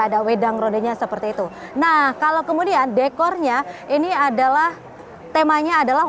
ada wedang rondenya seperti itu nah kalau kemudian dekornya ini adalah temanya adalah